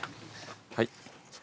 はい。